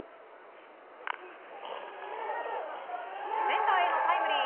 センターへのタイムリー！